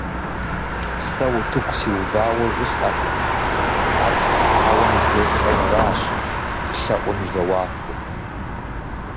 Сэ утыку сиувауэ жысӏэркъым, ар уэ ныбжесӏэу аращ, уи лъэӏум и жэуапу.